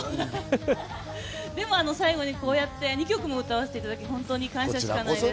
でも最後にこうやって２曲も歌わせていただき、感謝しかないです。